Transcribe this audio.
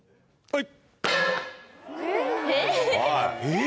はい。